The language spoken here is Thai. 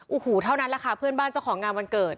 โอ้โหเท่านั้นแหละค่ะเพื่อนบ้านเจ้าของงานวันเกิด